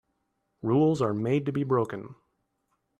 Rules are made to be broken.